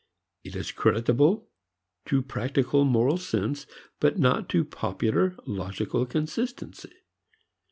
It is creditable to practical moral sense, but not to popular logical consistency.